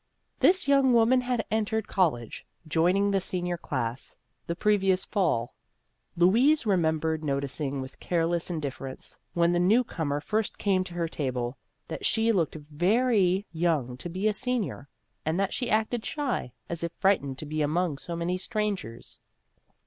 This young woman had entered college, joining the senior class, the pre vious fall. Louise remembered noticing with careless indifference, when the new comer first came to her table, that she looked very young to be a senior, and that she acted shy, as if frightened to be among so many strangers.